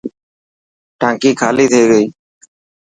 ٽانڪي خالي ٿي گئي.